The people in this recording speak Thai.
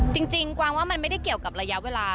จริงกวางว่ามันไม่ได้เกี่ยวกับระยะเวลา